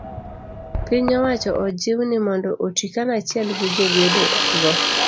Piny owacho ojiw ni mondo oti kanachiel gi jogedo go.